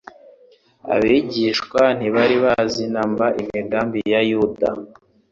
Abigishwa ntibari bazi namba imigambi ya Yuda.